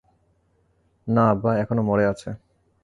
না আব্বা, এখনও মরে আছে।